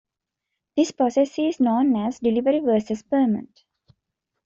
This process is known as delivery versus payment.